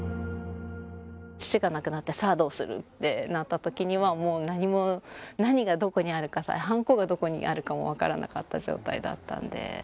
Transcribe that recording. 父が亡くなって、さあどうするってなったときには、もう何も、何がどこにあるかさえ、はんこがどこにあるかも分からなかった状態だったんで。